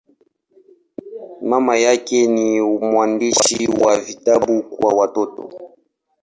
Mama yake ni mwandishi wa vitabu kwa watoto.